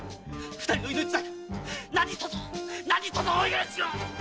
二人の命だけは何とぞ何とぞお許しをっ‼